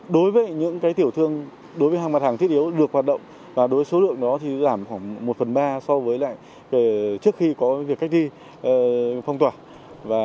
đối với những tiểu thương hàng mặt hàng thiết yếu được hoạt động số lượng đó giảm khoảng một phần ba so với trước khi có việc cách đi phong tỏa